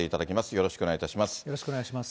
よろしくお願いします。